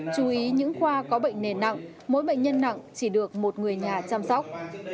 chú ý những khoa có bệnh nền nặng mỗi bệnh nhân nặng chỉ được một người nhà chăm sóc